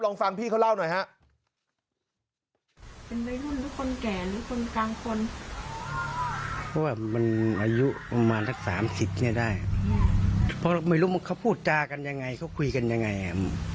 ลองฟังพี่เขาเล่าหน่อยฮะ